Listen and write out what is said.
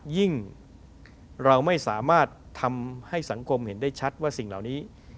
ยิ่งเราไม่สามารถทำให้สังคมเห็นได้ชัดว่าสิ่งเหล่านี้